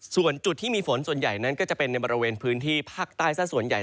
ส่วนจุดที่มีฝนส่วนใหญ่นั้นก็จะเป็นในบริเวณพื้นที่ภาคใต้ซะส่วนใหญ่